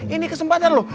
ini kesempatan loh